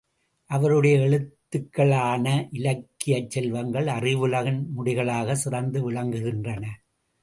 அவருடைய எழுத்துக்களாலான இலக்கியச் செல்வங்கள் அறிவுலகின் முடிகளாகச் சிறந்து விளங்குகின்றன.